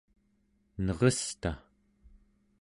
neresta